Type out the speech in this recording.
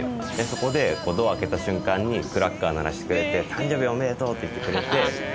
そこでドア開けた瞬間にクラッカー鳴らしてくれて「誕生日おめでとう！」って言ってくれて。